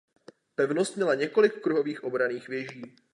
Pevnost měla několik kruhových obranných věží.